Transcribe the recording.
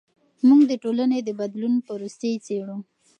موږ د ټولنې د بدلون پروسې څیړو.